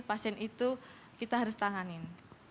pasien itu kita harus tanganin